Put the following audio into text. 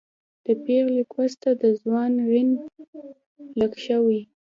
د پېغلې و کوس ته د ځوان غڼ لک شوی